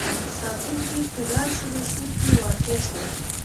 ساتونکي په داسې مسیر کې واقع شول.